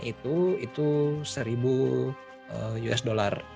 itu seribu usd